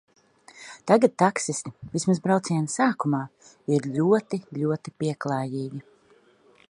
Tagad taksisti, vismaz brauciena sākumā, ir ļoti, ļoti pieklājīgi.